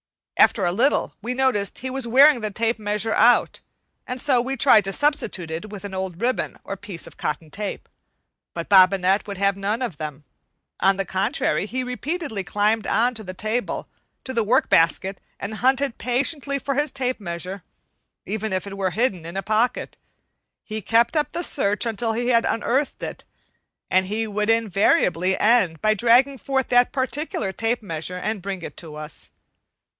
After a little we noticed he was wearing the tape measure out, and so we tried to substitute it with an old ribbon or piece of cotton tape. But Bobinette would have none of them. On the contrary, he repeatedly climbed on to the table and to the work basket, and hunted patiently for his tape measure, and even if it were hidden in a pocket, he kept up the search until he unearthed it; and he would invariably end by dragging forth that particular tape measure and bringing it to us.